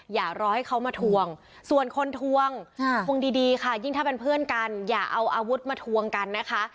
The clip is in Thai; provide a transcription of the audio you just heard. อย่ารอให้เขามาทวงส่วนคนทวงทวงดีค่ะยิ่งถ้าเป็นเพื่อนกันอย่าเอาอาวุธมาทวงกันนะคะ